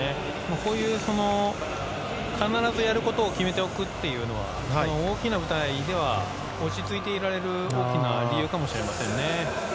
こういう、必ずやることを決めておくっていうのは大きな舞台では落ち着いていられる大きな理由かもしれませんね。